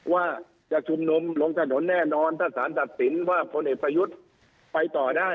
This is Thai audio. ว่าจะชุมนุมลงถนนแน่นอนถ้าสารตัดสินว่าพลเอกประยุทธ์ไปต่อได้